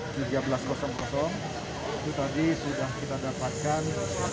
itu tadi sudah kita dapatkan